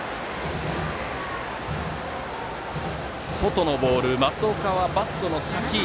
外のボール、益岡はバットの先。